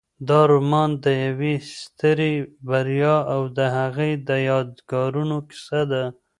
دا رومان د یوې سترې بریا او د هغې د یادګارونو کیسه ده.